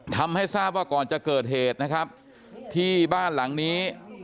ทำให้ทราบว่าก่อนจะเกิดเหตุนะครับที่บ้านหลังนี้